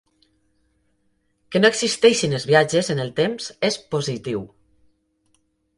Que no existeixin els viatges en el temps és positiu.